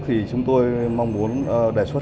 thì chúng tôi mong muốn đề xuất